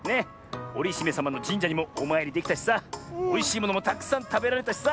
おりひめさまのじんじゃにもおまいりできたしさおいしいものもたくさんたべられたしさ！